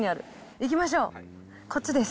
行きましょう、こっちです。